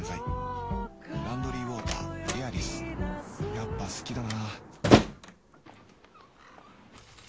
やっぱ好きだな